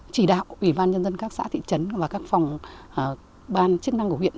chỉ đạo ủy ban nhân dân các xã thị trấn và các phòng ban chức năng của huyện